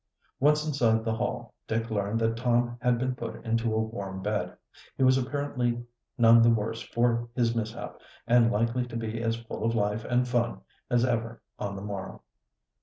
Once inside the Hall Dick learned that Tom had been put into a warm bed. He was apparently none the worse for his mishap, and likely to be as full of life and fun as ever on the morrow.